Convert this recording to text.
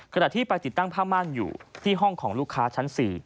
ขณะที่ไปติดตั้งผ้าม่านอยู่ที่ห้องของลูกค้าชั้น๔